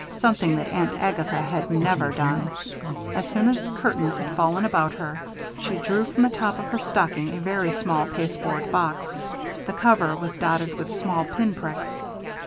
Something that Aunt Agatha had never done. As soon as the curtains had fallen about her, she drew from the top of her stocking a very small pasteboard box. The cover was dotted with small pin pricks.